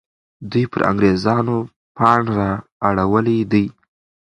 دوی پر انګریزانو پاڼ را اړولی دی.